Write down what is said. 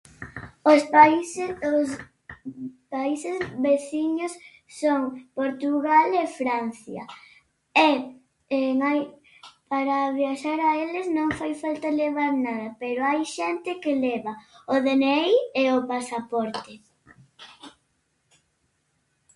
Os países, os países veciños son Portugal e Francia e e no hai, para viaxar a eles non fai falta levar nada, pero hai xente que leva o de ene i e o pasaporte.